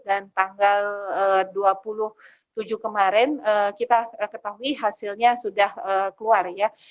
dan tanggal dua puluh tujuh kemarin kita ketahui hasilnya sudah keluar ya